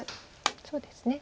そうですね。